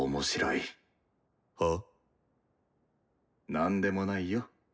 何でもないよ。